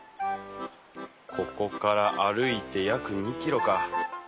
ここから歩いて約２キロか。